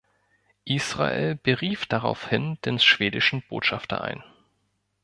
Israel berief daraufhin den schwedischen Botschafter ein.